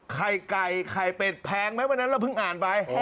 ไข่ไก่ไข่เป็ดแพงไหมวันนั้นเราเพิ่งอ่านไป